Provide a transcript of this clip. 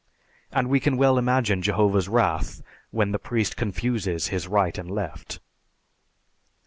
And we can well imagine Jehovah's wrath when the priest confuses his right and left.